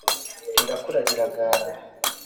rirakura riragara